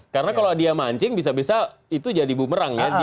karena kalau dia mancing bisa bisa itu jadi bumerang ya